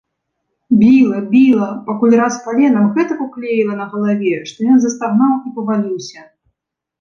Біла, біла, пакуль раз паленам гэтак уклеіла на галаве, што ён застагнаў і паваліўся.